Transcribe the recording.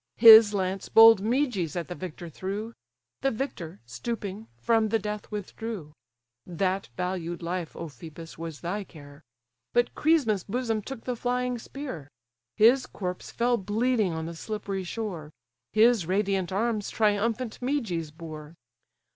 His lance bold Meges at the victor threw; The victor, stooping, from the death withdrew; (That valued life, O Phœbus! was thy care) But Croesmus' bosom took the flying spear: His corpse fell bleeding on the slippery shore; His radiant arms triumphant Meges bore.